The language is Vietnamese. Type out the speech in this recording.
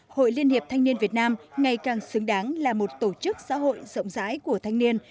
hội liên hiệp thanh niên việt nam ngày càng xứng đáng là một tổ chức xã hội rộng rãi của thanh niên